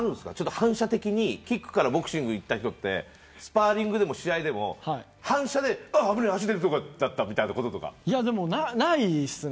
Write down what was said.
反射的にキックからボクシングにいった人ってスパーリングでも試合でも反射で足が出るところだったということとかあるんですか。